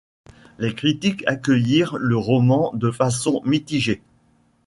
Les critiques accueillirent le roman de façon mitigée.